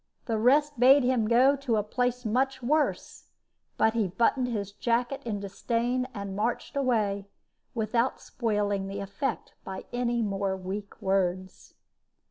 The rest bade him go to a place much worse; but he buttoned his jacket in disdain, and marched away, without spoiling the effect by any more weak words.